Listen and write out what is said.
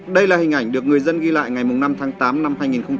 đây là hình ảnh được người dân ghi lại ngày năm tháng tám năm hai nghìn một mươi chín